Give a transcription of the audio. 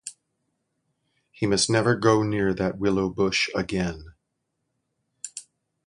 He must never go near that willow bush again.